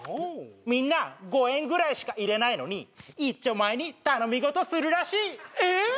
みんな５円ぐらいしか入れないのに一丁前に頼み事するらしいえ！？